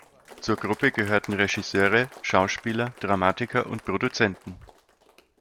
Zur Gruppe gehörten Regisseure, Schauspieler, Dramatiker und Produzenten.